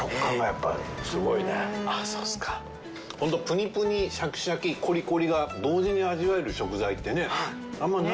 プニプニシャキシャキコリコリが同時に味わえる食材ってねあんまない。